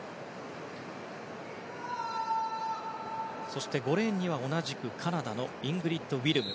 そして５レーンには同じくカナダのイングリッド・ウィルム。